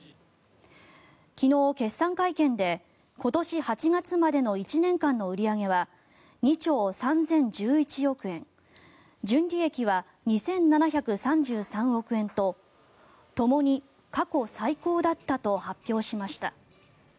昨日決算会見で、今年８月までの１年間の売り上げは２兆３０１１億円純利益は２７３３億円とともに過去最高だったと発表しました。